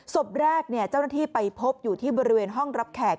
ศพแรกเจ้าหน้าที่ไปพบอยู่ที่บริเวณห้องรับแขก